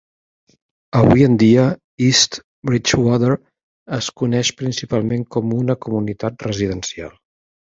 Avui en dia, East Bridgewater es coneix principalment com una comunitat residencial.